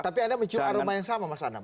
tapi ada mencium aroma yang sama mas anak